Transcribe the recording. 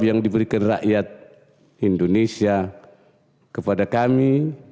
yang diberikan rakyat indonesia kepada kami